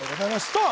さあ